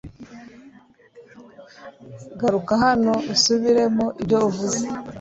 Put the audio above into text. garuka hano usubiremo ibyo uvuze